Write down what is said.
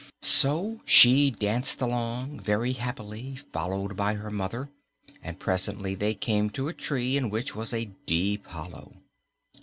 So she danced along, very happily, followed by her mother, and presently they came to a tree in which was a deep hollow.